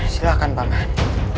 silahkan pak man